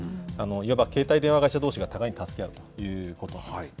いわば携帯電話会社どうしが互いに助け合うということです。